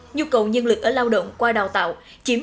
nhu cầu nhân lực ở lao động qua đào tạo chiếm tám